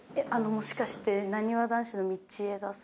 もしかしてなにわ男子の道枝さん？